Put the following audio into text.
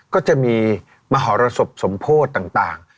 ก็จะมีมหรสบสมโพธิต่าง